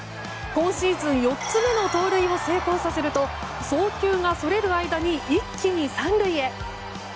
今シーズン４つ目の盗塁を成功させると送球がそれる間に一気に３塁へ。